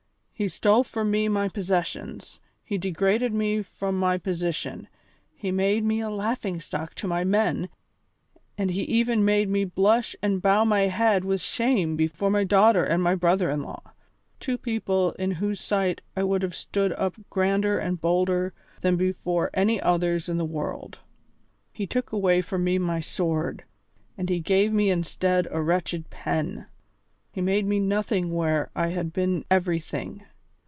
He stole from me my possessions, he degraded me from my position, he made me a laughing stock to my men, and he even made me blush and bow my head with shame before my daughter and my brother in law, two people in whose sight I would have stood up grander and bolder than before any others in the world. He took away from me my sword and he gave me instead a wretched pen; he made me nothing where I had been everything.